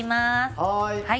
はい。